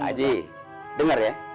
pak ji denger ya